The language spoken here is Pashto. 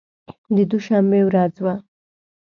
د دوشنبې ورځ وه.